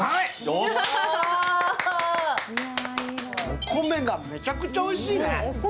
お米がめちゃくちゃおいしいね。